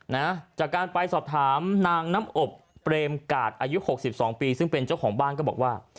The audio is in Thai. นะจากการไปสอบถามนางน้ำอบเปรมกาดอายุหกสิบสองปีซึ่งเป็นเจ้าของบ้านก็บอกว่า